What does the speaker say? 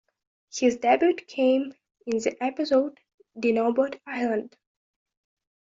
His debut came in the episode Dinobot Island.